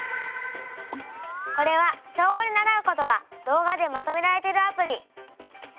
これは小５で習うことが動画でまとめられているアプリ。